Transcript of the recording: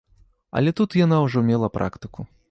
Але тут яна ўжо мела практыку.